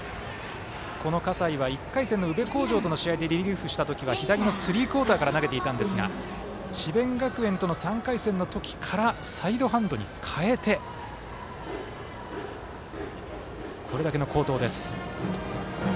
葛西は１回戦の宇部鴻城との試合でリリーフしたときには左のスリークオーターから投げていたんですが智弁学園との３回戦の時からサイドハンドに変えてこれだけの好投です。